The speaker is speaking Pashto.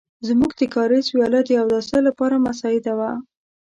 زموږ د کاریز وياله د اوداسه لپاره مساعده وه.